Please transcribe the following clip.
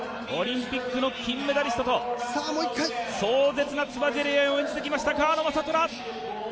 オリンピックの金メダリストと壮絶なつばぜり合いを演じてきました、川野将虎。